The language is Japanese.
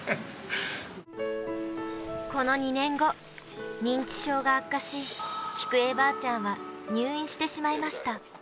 この２年後、認知症が悪化し、菊恵ばあちゃんは入院してしまいました。